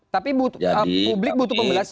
tapi publik butuh pembelasan